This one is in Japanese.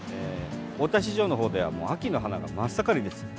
大田市場の方ではもう秋の花が真っ盛りです。